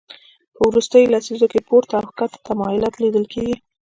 په وروستیو لسیزو کې پورته او کښته تمایلات لیدل کېږي